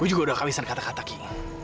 saya juga sudah kawisan kata kata ki